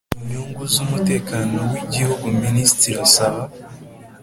Nyungu z umutekano w igihugu minisitiri asaba